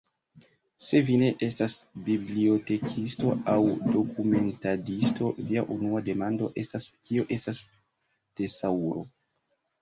Se vi ne estas bibliotekisto aŭ dokumentadisto, via unua demando estas, kio estas tesaŭro.